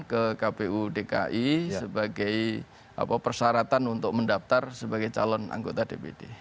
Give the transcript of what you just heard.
ke kpu dki sebagai persyaratan untuk mendaftar sebagai calon anggota dpd